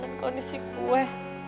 dan kondisi gue